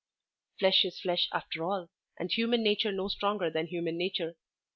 Flesh is flesh after all and human nature no stronger than human nature.